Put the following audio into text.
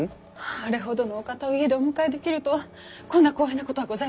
あれほどのお方を家でお迎えできるとはこんな光栄なことはございません。